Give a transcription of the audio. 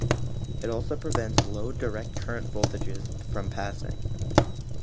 It also prevents low direct current voltages from passing.